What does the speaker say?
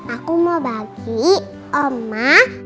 aku mau bagi oma